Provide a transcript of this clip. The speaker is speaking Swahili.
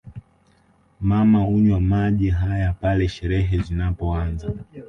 Mama hunywa maji haya pale sherehe inapoanza